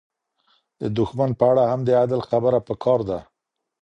د دښمن په اړه هم د عدل خبره پکار ده.